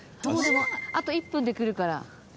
あと１分で来るから。